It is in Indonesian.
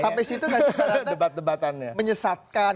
sampai situ menyesatkan